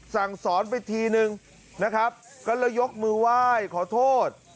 สั่งสอนไปทีนึงนะครับก็เลยยกมือไหว้ขอโทษ